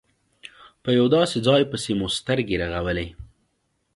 په یو داسې ځای پسې مو سترګې رغولې.